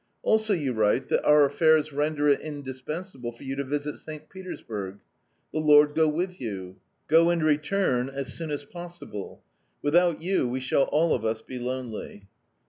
"Also you write that our affairs render it indispensable for you to visit St. Petersburg. The Lord go with you! Go and return as, soon as possible. Without you we shall all of us be lonely.